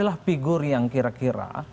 inilah figur yang kira kira